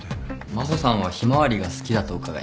真帆さんはヒマワリが好きだと伺いました。